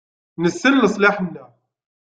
Nessen leṣlaḥ-nneɣ.